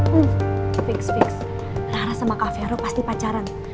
hmm fix fix rara sama kak fero pasti pacaran